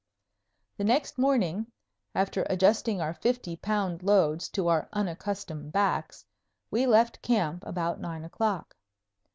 The next morning, after adjusting our fifty pound loads to our unaccustomed backs, we left camp about nine o'clock.